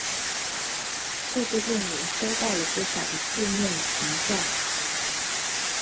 这部电影收到了不少的负面评价。